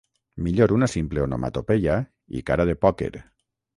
Millor una simple onomatopeia i cara de pòquer.